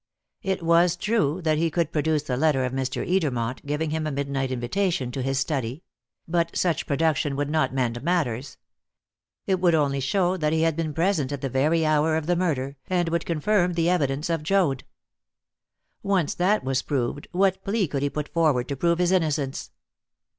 It was true that he could produce the letter of Mr. Edermont, giving him a midnight invitation to his study; but such production would not mend matters. It would only show that he had been present at the very hour of the murder, and would confirm the evidence of Joad. Once that was proved, what plea could he put forward to prove his innocence?